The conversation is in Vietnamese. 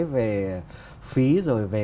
về phí rồi về